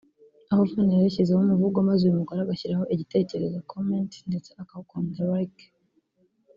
aho Vann yari yashyizeho umuvugo maze uyu mugore agashyiraho igitekerezo (comment) ndetse akawukunda (like)